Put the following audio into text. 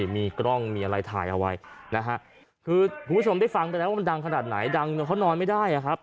มีกล้องมีอะไรถ่ายเอาไว้นะฮะคือคุณผู้ชมได้ฟังไปแล้วว่ามันดังขนาดไหนดังจนเขานอนไม่ได้อะครับ